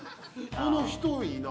この人いいな。